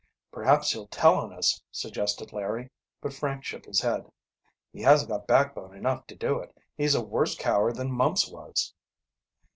"Perhaps he'll tell on us," suggested Larry, but Frank shook his head. "He hasn't got backbone enough to do it. He's a worse coward than Mumps was."